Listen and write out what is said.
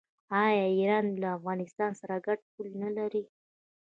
آیا ایران له افغانستان سره ګډه پوله نلري؟